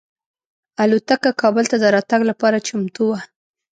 الوتکه کابل ته د راتګ لپاره چمتو وه.